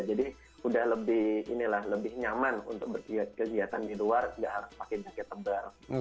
jadi sudah lebih nyaman untuk berkegiatan di luar tidak harus pakai jaket tebal